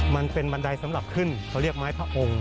มันเป็นบันไดสำหรับขึ้นเขาเรียกไม้พระองค์